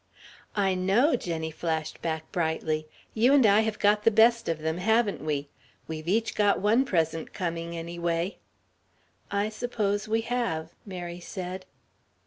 "I know," Jenny flashed back brightly, "you and I have got the best of them, haven't we? We've each got one present coming, anyway." "I s'pose we have...." Mary said.